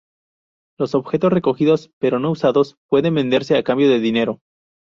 Los objetos recogidos pero no usados pueden venderse a cambio de dinero.